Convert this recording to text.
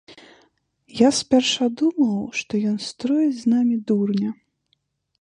Я спярша думаў, што ён строіць з намі дурня.